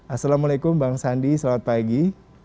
assalamualaikum bang sandi selamat pagi